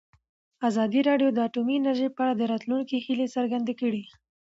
ازادي راډیو د اټومي انرژي په اړه د راتلونکي هیلې څرګندې کړې.